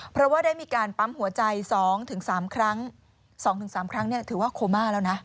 เพราะว่าได้มีการปั๊มหัวใจ๒๓ครั้ง๒๓ครั้งถือว่าโคม่าแล้วนะ